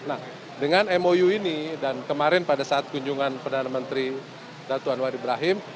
nah dengan mou ini dan kemarin pada saat kunjungan perdana menteri datuan wari ibrahim